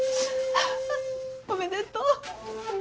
おめでとう。